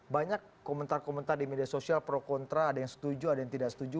banyak komentar komentar di media sosial pro kontra ada yang setuju ada yang tidak setuju